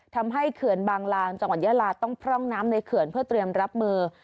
เขื่อนบางลางจังหวัดยาลาต้องพร่องน้ำในเขื่อนเพื่อเตรียมรับมือ